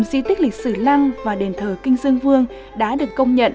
năm hai nghìn tám cụm di tích lịch sử lăng và đền thờ kinh dương vương đã được công nhận